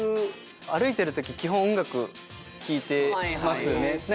歩いてるとき基本音楽聴いてますよね